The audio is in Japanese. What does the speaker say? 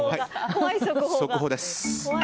速報です。